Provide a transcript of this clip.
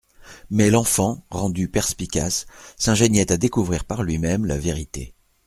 Mais l'enfant, rendu perspicace, s'ingéniait à découvrir par lui-même la vérité.